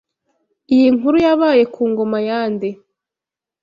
Iyi nkuru yabaye ku ngoma ya nde